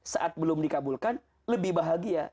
saat belum dikabulkan lebih bahagia